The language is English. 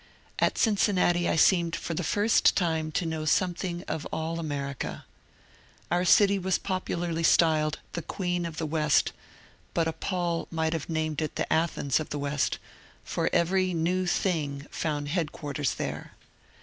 At Cincinnati I seemed for the first time to know some thing of all America. Our city was popularly styled ^Hhe Queen of the West," but a Paul might have named it the Athens of the West, for every " new thing '* found head quarters there.